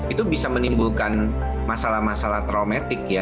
itu bisa menimbulkan masalah masalah traumatik ya